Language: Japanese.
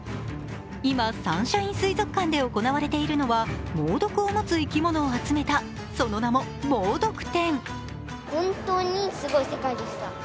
今、サンシャイン水族館で行われているのは猛毒を持つ生き物を集めた、その名も、もうどく展。